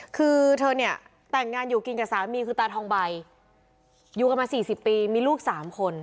คือเธอเนี่ยแต่งงานอยู่กินกับสามีคือตาทองใบอยู่กันมาสี่สิบปีมีลูก๓คน